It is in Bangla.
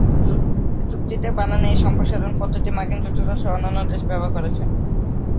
চুক্তিতে বানানো এই সম্প্রসারণ পদ্ধতি মার্কিন যুক্তরাষ্ট্র সহ অন্যান্য দেশ ব্যবহার করেছে।